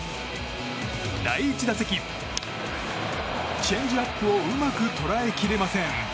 第１打席、チェンジアップをうまく捉えきれません。